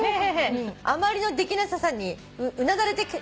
「あまりのできなささにうなだれて帰ってきました」